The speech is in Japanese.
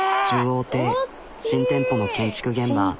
中央亭新店舗の建築現場。